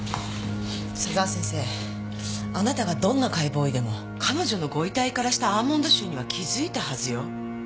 佐沢先生あなたがどんな解剖医でも彼女のご遺体からしたアーモンド臭には気づいたはずよ？